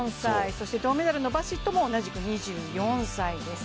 そして銅メダルのバシットも同じく２４歳です。